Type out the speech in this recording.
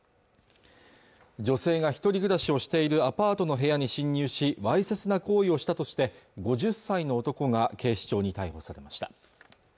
女性が一人暮らしをしているアパートの部屋に侵入しわいせつな行為をしたとして５０歳の男が警視庁に逮捕されました